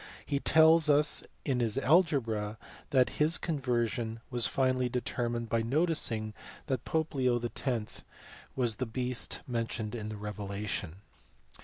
He tells us in his algebra that his conversion was finally deter mined by noticing that the pope Leo X. was the beast men tioned in the Revelation.